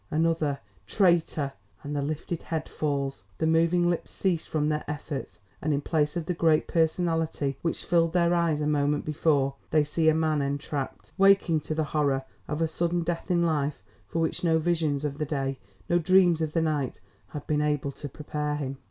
another, TRAITOR! and the lifted head falls, the moving lips cease from their efforts and in place of the great personality which filled their eyes a moment before, they see a man entrapped, waking to the horror of a sudden death in life for which no visions of the day, no dreams of the night, had been able to prepare him.